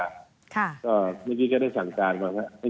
ก็เมื่อกี้ก็ได้สั่งการมา